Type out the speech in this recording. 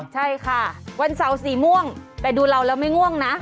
ใช่ค่ะวันเสาร์สีม่วงแต่ดูเราแล้วไม่ง่วงนะ